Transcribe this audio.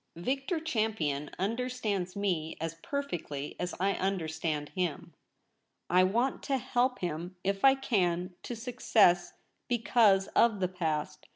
Victor Cham pion understands me as perfectly as I under stand him : I want to help him — if I can — to success, because of the past.